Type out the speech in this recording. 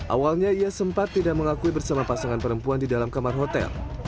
awalnya ia sempat tidak mengakui bersama pasangan perempuan di dalam kamar hotel